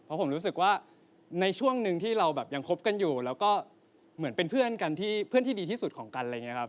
เพราะผมรู้สึกว่าในช่วงหนึ่งที่เรายังคบกันอยู่แล้วก็เหมือนเป็นเพื่อนที่ดีที่สุดของกัน